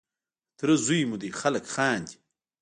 د تره زوی مو دی خلک خاندي.